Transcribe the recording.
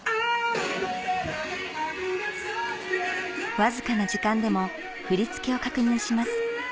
わずかな時間でも振り付けを確認します